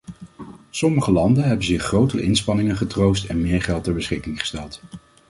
Sommige landen hebben zich grote inspanningen getroost en meer geld ter beschikking gesteld.